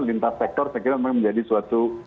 lintas sektor saya kira memang menjadi suatu